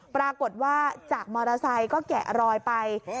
ปรากฏว่าจากมอเตอร์ไซค์ก็แกะรอยไป